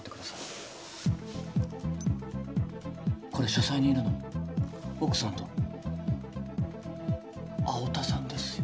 ピッこれ書斎にいるの奥さんと青田さんですよ。